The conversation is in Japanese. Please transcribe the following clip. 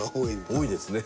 多いですね。